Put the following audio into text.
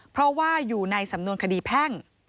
เพราะว่าอยู่ในสำนวนคดีแพ่ง